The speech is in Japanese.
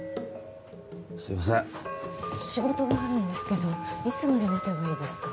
すいません仕事があるんですけどいつまで待てばいいですか？